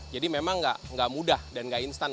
jadi memang tidak mudah dan tidak istimewa